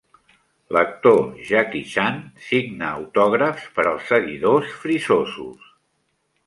l'actor Jackie Chan signa autògrafs per als seguidors frisosos.